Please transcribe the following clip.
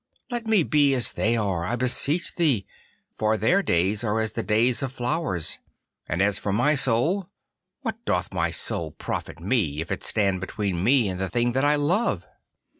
Let me be as they are, I beseech thee, for their days are as the days of flowers. And as for my soul, what doth my soul profit me, if it stand between me and the thing that I love?